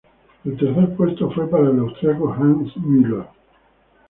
El tercer puesto fue para el austríaco Hans Müller.